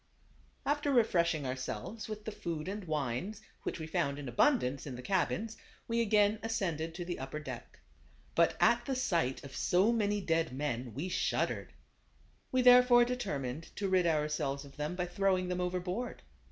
After refreshing ourselves with the food and wines, which we found in abundance in the cabins, we again ascended to the upper deck. But at the sight of so many dead men we shud dered. We therefore determined to rid our selves of them by throwing them overboard.